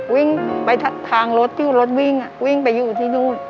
วิ่งไปทางรถที่รถวิ่งวิ่งไปอยู่ที่นู่น